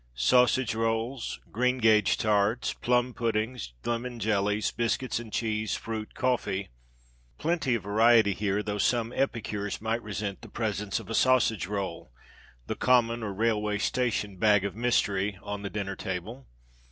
sausage rolls, greengage tarts, plum puddings, lemon jellies, biscuits and cheese, fruit, coffee. Plenty of variety here, though some epicures might resent the presence of a sausage roll (the common or railway station bag of mystery) on the dinner table.